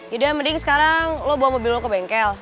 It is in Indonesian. yaudah mending sekarang lo bawa mobil lo ke bengkel